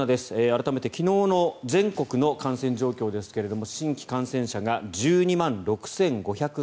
改めて昨日の全国の感染状況ですが新規感染者が１２万６５３８人。